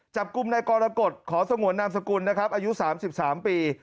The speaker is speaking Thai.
จับกลุ่มในกรกฎขอสงวนนามสกุลนะครับอายุ๓๓ปี